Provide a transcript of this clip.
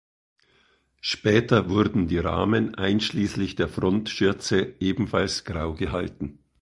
Später wurden die Rahmen einschließlich der Frontschürze ebenfalls grau gehalten.